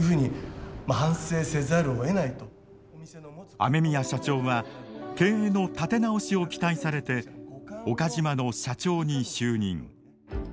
雨宮社長は経営の立て直しを期待されて岡島の社長に就任。